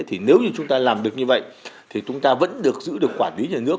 thì nếu như chúng ta làm được như vậy thì chúng ta vẫn được giữ được quản lý nhà nước